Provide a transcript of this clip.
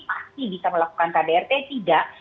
pasti bisa melakukan kdrt tidak